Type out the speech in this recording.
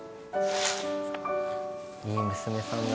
いい娘さんだ。